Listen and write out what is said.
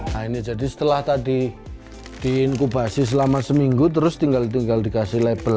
nah ini jadi setelah tadi diinkubasi selama seminggu terus tinggal dikasih label